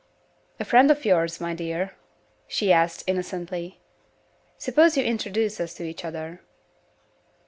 "A friend of yours, my dear?" she asked, innocently. "Suppose you introduce us to each other."